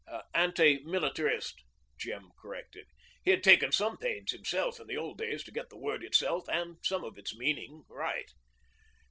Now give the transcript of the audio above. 'Anti militarist,' Jem corrected. He had taken some pains himself in the old days to get the word itself and some of its meaning right.